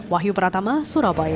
wahyu pratama surabaya